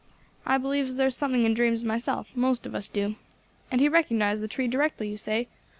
I believes there's something in dreams myself; most of us do. And he recognised the tree directly, you say?